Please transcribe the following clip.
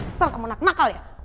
dasar kamu nakal nakal ya